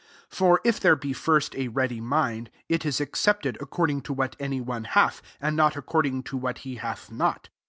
12 For if there be first a ready mind, it ia accepted according to what [any one'] hath, and not accord ing to what he hath not.